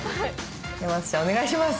大和ちゃんお願いします